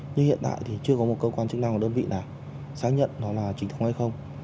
nhưng hiện tại thì chưa có một cơ quan chức năng và đơn vị nào xác nhận nó là chính thống hay không